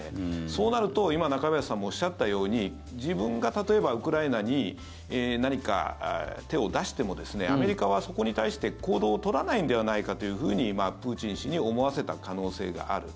そうなると、今中林さんもおっしゃったように自分が例えばウクライナに何か手を出してもアメリカはそこに対して行動を取らないのではないかとプーチン氏に思わせた可能性がある。